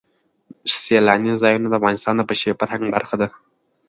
سیلانی ځایونه د افغانستان د بشري فرهنګ برخه ده.